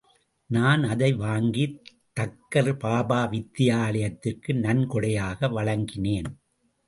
நான் அதை வாங்கி தக்கர் பாபா வித்யாலயத்திற்கு நன்கொடையாக வழங்கினேன்.